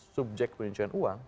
subjek penyelenggaraan uang